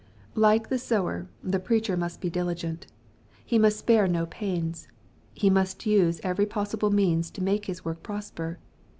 Like the sower, the preacher must he diligent. Hi must spare no pains. He must use every possible means to make his work prosper.